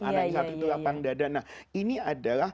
anak yang satu lapang dada